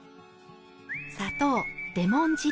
砂糖レモン汁